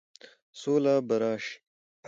سوله به راشي،